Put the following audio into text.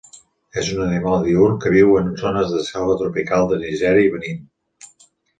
És un animal diürn que viu en zones de selva tropical de Nigèria i Benín.